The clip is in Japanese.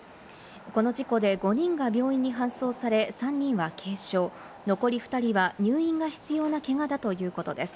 この事故で５人が病院に搬送され、３人は軽傷、残り２人は入院が必要なけがだということです。